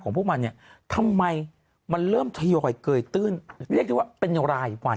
พวกมันเนี่ยทำไมมันเริ่มทยอยเกยตื้นเรียกได้ว่าเป็นรายวัน